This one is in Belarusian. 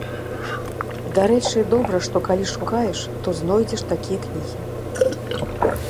Дарэчы, добра, што калі шукаеш, то знойдзеш такія кнігі.